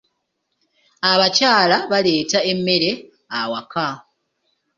Abakyala baleeta emmere awaka.